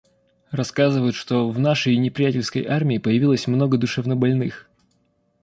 Рассказывают, что в нашей и неприятельской армии появилось много душевнобольных.